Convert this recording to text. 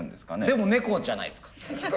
でも猫じゃないですか。